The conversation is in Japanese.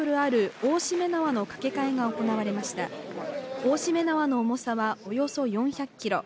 大注連縄の重さはおよそ４００ｋｇ。